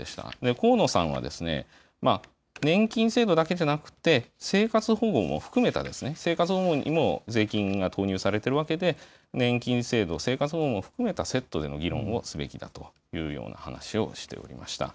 河野さんは、年金制度だけでなくて、生活保護も含めた、生活保護も税金が投入されているわけで、年金制度、生活保護も含めたセットでの議論をすべきだというような話をしておりました。